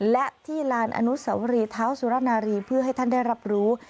และที่ลานอนุสวรีเท้าสุรนารีเพื่อให้ท่านได้รับรู้